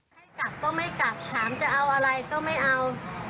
ให้กลับก็ไม่กลับถามจะเอาอะไรก็ไม่เอา